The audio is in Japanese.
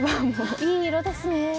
いい色ですね。